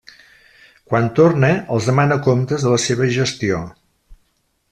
Quan torna, els demana comptes de la seva gestió.